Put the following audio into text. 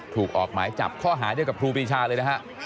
ถูกออกหมายจับข้อหาเรียกกับครูพิชาเลยนะครับ